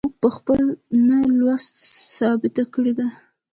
موږ په خپل نه لوست ثابته کړې ده.